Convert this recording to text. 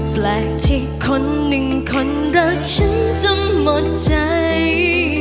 แปลกที่คนหนึ่งคนรักฉันจะหมดใจ